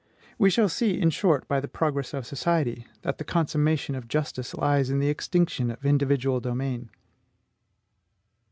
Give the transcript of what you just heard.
We shall see, in short, by the progress of society, that the consummation of justice lies in the extinction of individual domain.